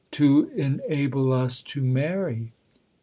" To enable us to marry."